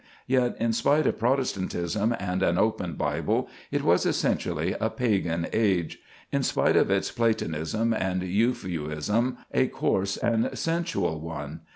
Yet, in spite of Protestantism and an open Bible, it was essentially a pagan age; in spite of its Platonism and Euphuism, a coarse and sensual one.